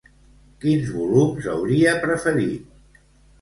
Quins volums hauria preferit?